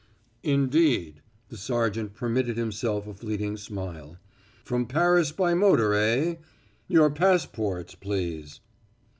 "Indeed!" The sergeant permitted himself a fleeting smile. "From Paris by motor, eh? Your passports, please."